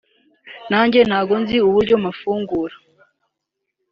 nanjye ntabwo nzi uburyo mpafungura